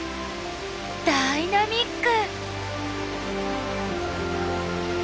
ダイナミック！